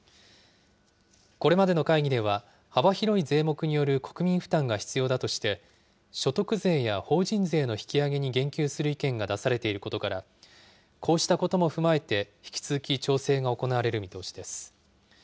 これまでの会議では、幅広い税目による国民負担が必要だとして、所得税や法人税の引き上げに言及する意見が出されていることから、こうしたことも踏まえて、引き続き調整が行われる見通しです。